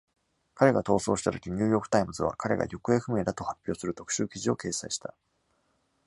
彼が逃走した時、「ニューヨーク・タイムズ」は、彼が行方不明だと発表する特集記事を掲載した。